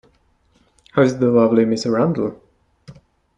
How is the lovely Miss Randal?